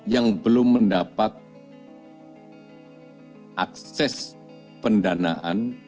yang belum mendapat akses pendanaan